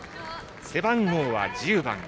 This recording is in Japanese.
背番号は１０番。